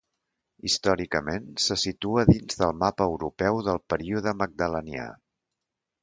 Històricament, se situa dins del mapa europeu del període magdalenià.